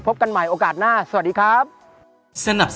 กันใหม่โอกาสหน้าสวัสดีครับ